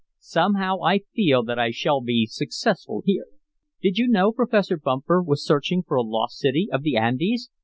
Somehow I feel that I shall be successful here." "Did you know Professor Bumper was searching for a lost city of the Andes?"